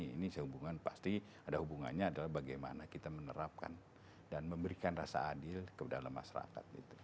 ini sehubungan pasti ada hubungannya adalah bagaimana kita menerapkan dan memberikan rasa adil ke dalam masyarakat